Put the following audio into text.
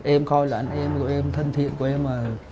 em coi là anh em rồi em thân thiện của em